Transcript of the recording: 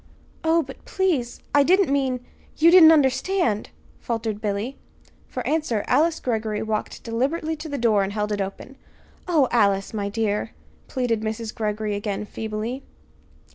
"Oh, but, please, I didn't mean you didn't understand," faltered Billy. For answer Alice Greggory walked deliberately to the door and held it open. "Oh, Alice, my dear," pleaded Mrs. Greggory again, feebly.